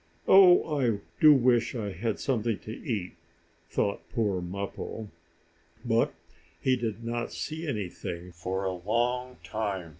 "Oh, I do wish I had something to eat!" thought poor Mappo. But he did not see anything for a long time.